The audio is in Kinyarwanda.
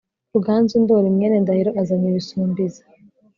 Ruganzu Ndori mwene Ndahiro Azanye Ibisumbizi